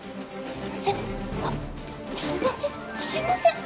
すいません。